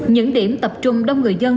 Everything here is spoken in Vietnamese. những điểm tập trung đông người dân